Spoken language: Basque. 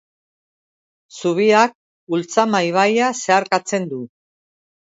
Zubiak Ultzama ibaia zeharkatzen du.